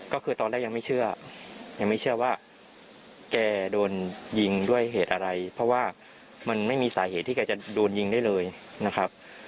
ก็คือตอนแรกยังไม่เชื่อยังไม่เชื่อว่าแกโดนยิงด้วยเหตุอะไรเพราะว่ามันไม่มีสาเหตุที่แกจะโดนยิงได้เลยนะครับ